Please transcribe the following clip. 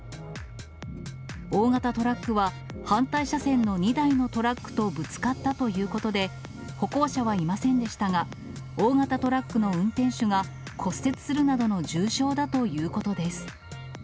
大型トラックは反対車線の２台のトラックとぶつかったということで、歩行者はいませんでしたが、大型トラックの運転手が、骨折するなどの重傷だということです。